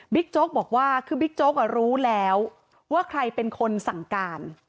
โจ๊กบอกว่าคือบิ๊กโจ๊กรู้แล้วว่าใครเป็นคนสั่งการ